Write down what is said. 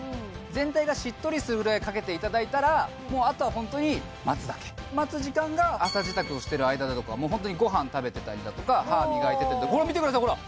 全体がしっとりするぐらいかけていただいたらもうあとはホントに待つだけ待つ時間が朝支度をしてる間だとかもうホントにごはん食べてたりだとか歯磨いたりとかってほら見てくださいほら！